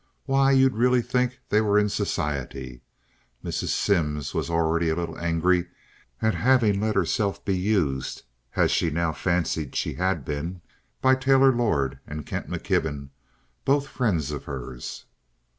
Why, you'd really think they were in society." Mrs. Simms was already a little angry at having let herself be used, as she now fancied she had been, by Taylor Lord and Kent McKibben, both friends of hers.